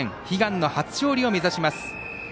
悲願の初勝利を目指します。